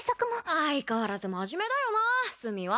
相変わらず真面目だよな須美は。